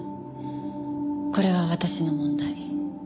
これは私の問題。